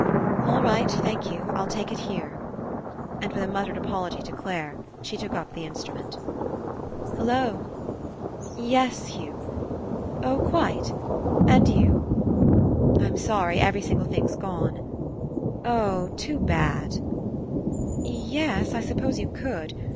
"All right. Thank you. I'll take it 122 RE ENCOUNTER here." And, with a muttered apology to Clare, she took up the Instrument. ^'Hello. ... Yes, Hugh. ... Oh, quite. ... And you? ... I'm sorry, every single thing's gone. ... Oh, too bad. ... Ye es, I s'pose you could.